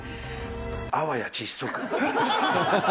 あわや窒息。